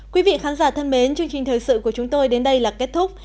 quý vị khán giả thân mến chương trình thời sự của chúng tôi đến đây là kết thúc